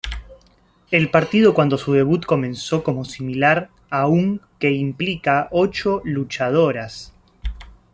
El partido cuando su debut comenzó como similar a un que implica ocho luchadoras.